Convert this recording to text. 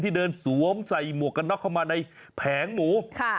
ที่เดินสวมใส่หมวกกระน็อกเข้ามาในแผงหมู